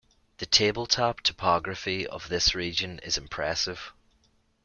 The table top topography of this region is impressive.